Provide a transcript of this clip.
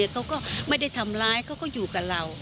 เขาก็ไม่ได้ทำร้ายเขาก็อยู่กับเรา